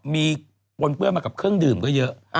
มีปนเปื้อนมากับเครื่องดื่มก็เยอะ